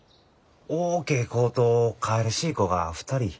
大けえ子とかいらしい子が２人。